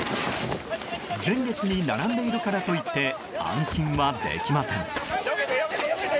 前列に並んでいるからといって安心はできません。